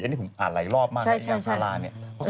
เป็นอย่างที่ผมอ่านไหลลอบมากแบลงการพลาราเนี่ย